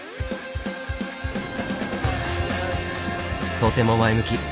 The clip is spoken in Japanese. とても前向き。